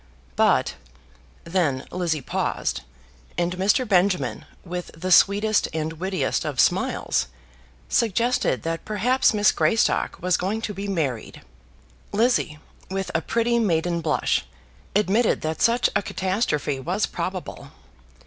But Then Lizzie paused, and Mr. Benjamin, with the sweetest and wittiest of smiles, suggested that perhaps Miss Greystock was going to be married. Lizzie, with a pretty maiden blush, admitted that such a catastrophe was probable.